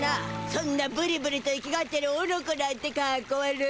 そんなブリブリといきがってるオノコなんてかっこ悪い。